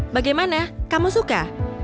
bagaimana kamu suka